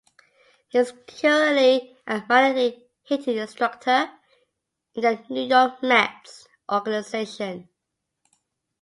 He's currently a minor league hitting instructor in the New York Mets organization.